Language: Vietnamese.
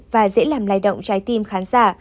và dễ làm lai động trái tim khán giả